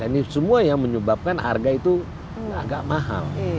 ini semua yang menyebabkan harga itu agak mahal